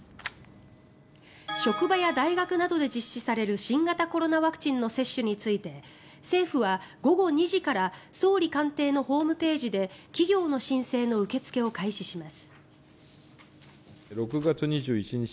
職場や大学などで実施される新型コロナワクチンの接種について政府は午後２時から総理官邸のホームページで企業の申請の受け付けを開始します。